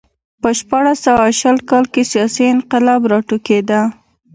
په شپاړس سوه شل کال کې سیاسي انقلاب راوټوکېد.